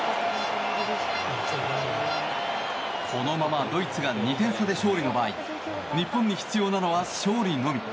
このままドイツが２点差で勝利の場合日本に必要なのは勝利のみ。